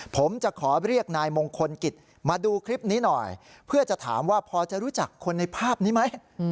ผมจะขอเรียกนายมงคลกิจมาดูคลิปนี้หน่อยเพื่อจะถามว่าพอจะรู้จักคนในภาพนี้ไหม